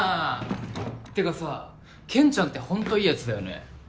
てかさけんちゃんってほんといいやつだよね。